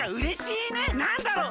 なんだろう？